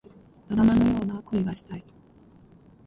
ドラマのような恋がしたい